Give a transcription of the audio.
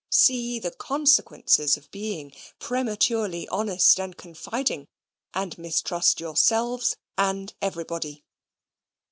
See the consequences of being prematurely honest and confiding, and mistrust yourselves and everybody.